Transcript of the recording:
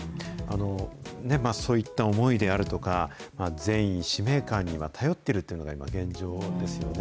そういった思いであるとか、善意、使命感に頼っているというのが現状ですよね。